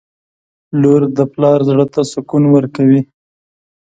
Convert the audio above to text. • لور د پلار زړه ته سکون ورکوي.